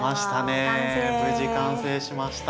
無事完成しました。